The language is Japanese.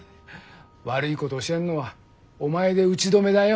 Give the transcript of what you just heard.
悪いこと教えんのはお前で打ち止めだよ。